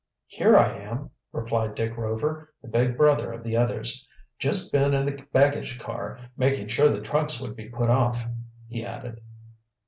"Here I am," replied Dick Rover, the big brother of the others. "Just been in the baggage car, making sure the trunks would be put off," he added.